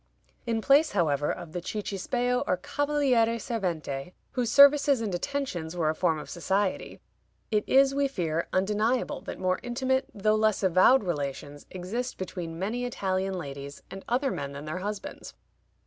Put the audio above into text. In place, however, of the cicisbeo or cavaliere servente, whose services and attentions were a form of society, it is, we fear, undeniable that more intimate though less avowed relations exist between many Italian ladies and other men than their husbands.